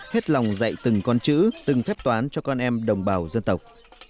hết lòng dạy từng con chữ từng phép toán cho con em đồng bào dân tộc